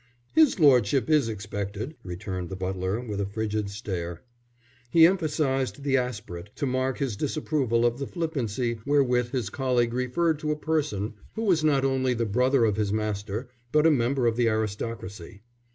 "His lordship is expected," returned the butler, with a frigid stare. He emphasised the aspirate to mark his disapproval of the flippancy wherewith his colleague referred to a person who was not only the brother of his master, but a member of the aristocracy.